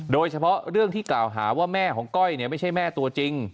โดยเฉพาะเรื่องที่กล่าวหาว่าแม่ของก้อยไม่ใช่แม่ตัวจริง